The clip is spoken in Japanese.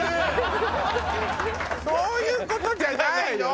そういう事じゃないの！